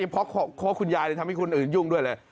เพราะคุณยายทำให้คนอื่นยุ่งด้วยเลย